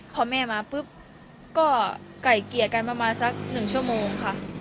พอแม่มาปุ๊บก็ไก่เกลี่ยกันประมาณสัก๑ชั่วโมงค่ะ